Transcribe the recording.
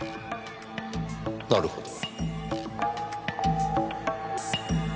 なるほど。